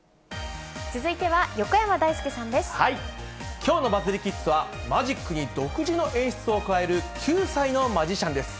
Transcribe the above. きょうのバズりキッズは、まじっくに独自の演出を加える、９歳のマジシャンです。